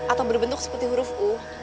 atau berbentuk seperti huruf u